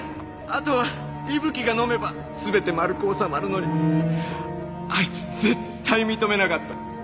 あとは伊吹がのめば全て丸く収まるのにあいつ絶対認めなかった。